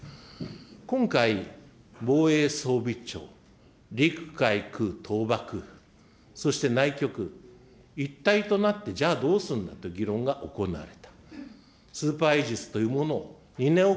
今回、防衛装備庁、陸海空統幕、そして内局、一体となってじゃあ、どうするんだという議論が行われた。